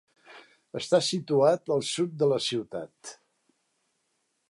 Està situat al sud de la ciutat.